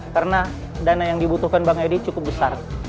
karena dana yang dibutuhkan bang edi cukup besar